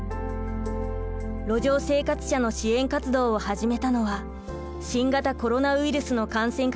路上生活者の支援活動を始めたのは新型コロナウイルスの感染拡大による影響が広がる